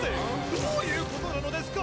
どういうことなのですか！？